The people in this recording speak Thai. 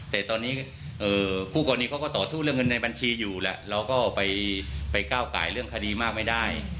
แต่ตอนนี้คู่กรณีเขาก็ต่อสู้เรื่องเงินในบัญชีอยู่แหละเราก็ไปก้าวไก่เรื่องคดีมากไม่ได้